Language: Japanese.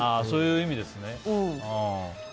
そういう意味ですね。